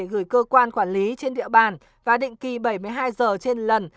gửi cơ quan quản lý trên địa bàn và định kỳ bảy mươi hai giờ trên lần